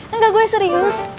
enggak gue serius